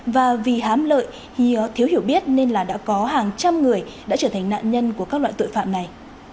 và vì hám lợi hìa thiếu hiểu biết nên là đã có hàng trăm người đã trở thành nạn nhân của các loại tội phạm này